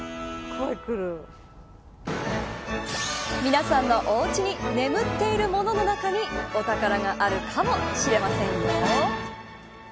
皆さんのおうちに眠っているものの中にお宝があるかもしれませんよ。